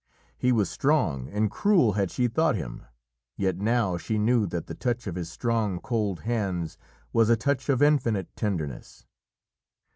He was strong, and cruel had she thought him, yet now she knew that the touch of his strong, cold hands was a touch of infinite tenderness.